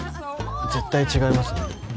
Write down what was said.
絶対違いますね。